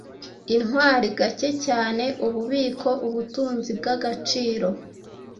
Intwari gake cyane ububiko-ubutunzi bwagaciro